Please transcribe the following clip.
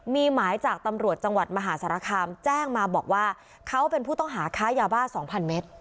มีหมายจากตำรวจจังหวัดมหาสารคามแจ้งมาบอกว่าเขาเป็นผู้ต้องหาค้ายาบ้า๒๐๐เมตร